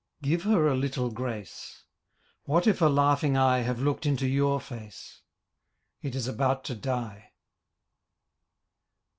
Give her a little grace, What if a laughing eye Have looked into your face It is about to die.